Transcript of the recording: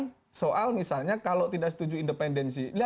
kemudian soal misalnya kalau tidak setuju independensi